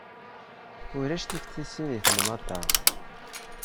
Ulac tiftisin deg temnaḍt-a.